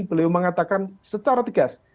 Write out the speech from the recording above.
beliau mengatakan secara tegas